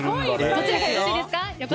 どちらがよろしいですか？